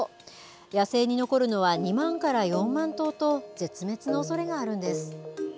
野生に残るのは２万から４万頭と絶滅のおそれがあるんです。